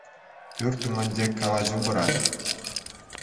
Пӳрт ӳмӗнче калаҫу пырать.